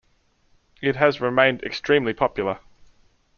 It has remained extremely popular.